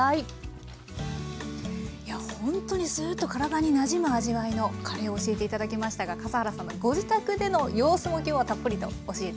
ほんとにスーッと体になじむ味わいのカレーを教えて頂きましたが笠原さんのご自宅での様子も今日はたっぷりと教えて頂きました。